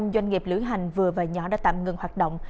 chín mươi doanh nghiệp lưỡi hành vừa và nhỏ đã tạm ngừng hoạt động